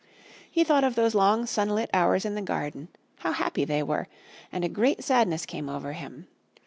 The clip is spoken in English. He thought of those long sunlit hours in the garden how happy they were and a great sadness came over him.